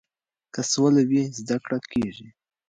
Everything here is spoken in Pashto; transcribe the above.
که سوله وي زده کړه کیږي.